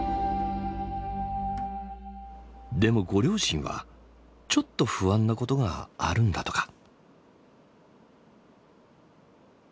でもご両親はちょっと不安なことがあるんだとか。